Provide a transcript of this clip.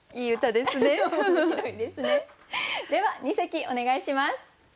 では二席お願いします。